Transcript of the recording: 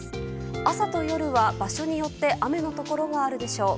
朝と夜は場所によって雨のところがあるでしょう。